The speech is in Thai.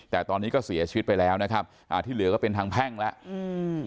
แต่ตอนนี้ก็เสียชีวิตไปแล้วนะครับอ่าที่เหลือก็เป็นทางแพ่งแล้วอืม